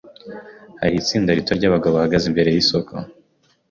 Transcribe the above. Hari itsinda rito ryabagabo bahagaze imbere yisoko.